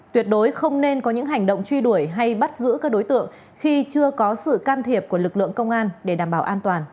tuyệt đối không nên có những hành động truy đuổi hay bắt giữ các đối tượng khi chưa có sự can thiệp của lực lượng công an để đảm bảo an toàn